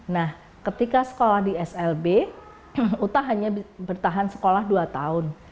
nah ketika sekolah di slb uta hanya bertahan sekolah dua tahun